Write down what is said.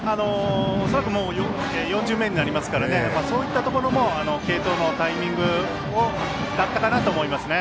恐らく４巡目になりますからそういったところも継投のタイミングだったかなと思いますね。